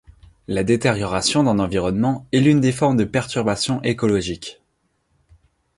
La détérioration d'un environnement est une des formes de perturbation écologique.